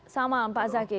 selamat malam pak zaki